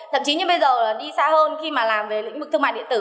thậm chí như bây giờ đi xa hơn khi mà làm về lĩnh vực thương mại điện tử